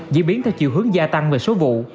diễn biến theo chiều hướng gia tăng về số vụ